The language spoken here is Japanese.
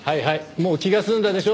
もう気が済んだでしょ？